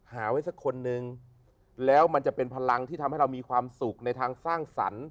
หาไว้สักคนนึงแล้วมันจะเป็นพลังที่ทำให้เรามีความสุขในทางสร้างสรรค์